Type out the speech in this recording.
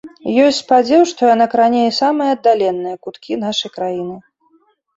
Ёсць спадзеў, што яна кране і самыя аддаленыя куткі нашай краіны.